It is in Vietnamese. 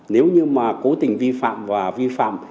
nếu như mà cố tình vi phạm và vi phạm